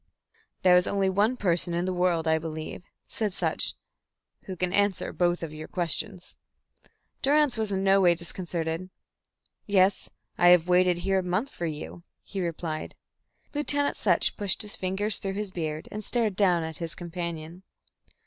"There is only one person in the world, I believe," said Sutch, "who can answer both your questions." Durrance was in no way disconcerted. "Yes. I have waited here a month for you," he replied. Lieutenant Sutch pushed his fingers through his beard, and stared down at his companion.